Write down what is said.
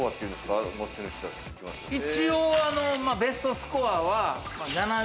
一応ベストスコアは。